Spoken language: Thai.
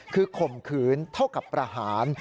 คือข่มขืนเท่ากับประหาร